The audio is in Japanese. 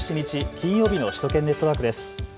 金曜日の首都圏ネットワークです。